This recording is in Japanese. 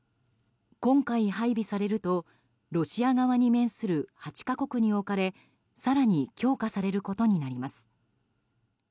今回配備されるとロシア側に面する８か国に置かれ更に強化されることになります。